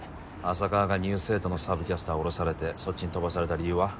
浅川が「ニュース８」のサブキャスター降ろされてそっちに飛ばされた理由は？